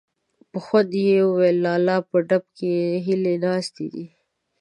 په خوند يې وويل: لالا! په ډب کې هيلۍ ناستې دي.